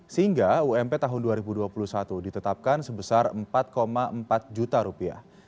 sehingga ump tahun dua ribu dua puluh satu ditetapkan sebesar empat empat juta rupiah